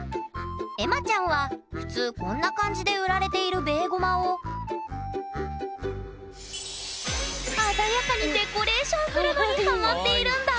エマちゃんは普通こんな感じで売られているベーゴマを鮮やかにデコレーションするのにハマっているんだ！